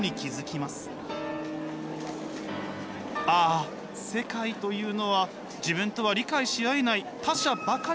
ああ世界というのは自分とは理解し合えない「他者」ばかりなんだ。